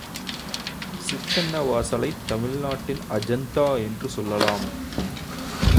சித்தன்ன வாசலைத் தமிழ் நாட்டின் அஜந்தா என்று சொல்லலாம்.